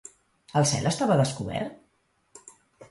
El cel estava descobert?